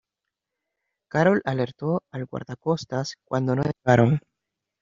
Carole alertó al Guardacostas cuando no llegaron.